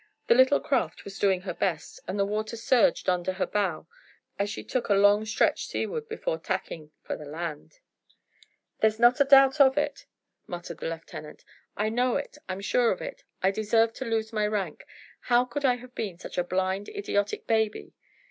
The little craft was doing her best, and the water surged under her bow as she took a long stretch seaward, before tacking for the land. "There's not a doubt of it," muttered the lieutenant. "I know it I'm sure of it. I deserve to lose my rank. How could I have been such a blind, idiotic baby!"